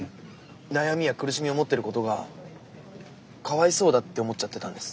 悩みや苦しみを持ってることがかわいそうだって思っちゃってたんです。